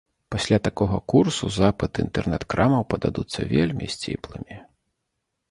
Пасля такога курсу запыты інтэрнэт-крамаў пададуцца вельмі сціплымі.